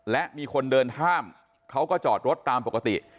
และมีคนเดินข้ามเขาก็จอดรถตามปกติ